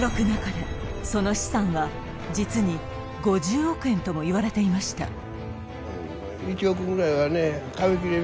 なかれその資産は実に５０億円ともいわれていました